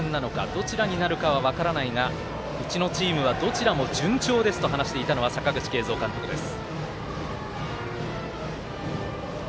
どちらになるのか分からないがうちのチームは、どちらも順調ですと話していたのは阪口慶三監督です。